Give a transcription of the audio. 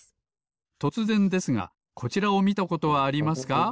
とつぜんですがこちらをみたことはありますか？